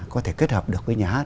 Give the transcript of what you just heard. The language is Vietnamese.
có thể kết hợp được với nhà hát